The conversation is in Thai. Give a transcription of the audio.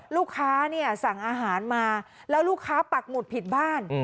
ลูกค้าเนี่ยสั่งอาหารมาแล้วลูกค้าปักหมุดผิดบ้าน